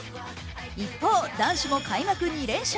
一方、男子も開幕２連勝。